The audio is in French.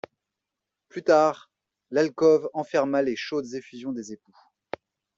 Plus tard, l'alcôve enferma les chaudes effusions des époux.